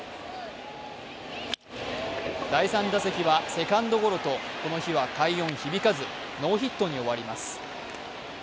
第３打席はセカンドゴロとこの日は快音響かずノーヒットに終わります。